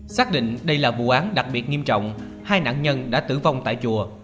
xác định đây là vụ án đặc biệt nghiêm trọng hai nạn nhân đã tử vong tại chùa